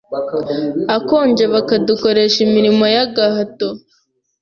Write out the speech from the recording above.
akonje bakadukoresh imirimo y’gahato